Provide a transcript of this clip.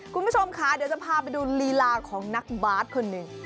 คุณผู้ชมค่ะเดี๋ยวจะพาไปดูลีลาของนักบาสคนหนึ่ง